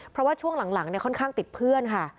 เพราะว่าช่วงหลังค่อนข้างติดเพื่อนค่ะ